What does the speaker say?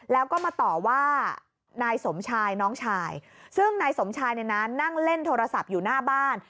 แล้วก็มาต่อว่านายสมชายน้องชายซึ่งนายสมชายเนี่ยนะนั่งเล่นโทรศัพท์อยู่หน้าบ้าน